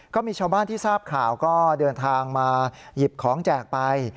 ก็มีชาวบ้านที่ทราบข่าวก็เดินทางมาหยิบของแจกไป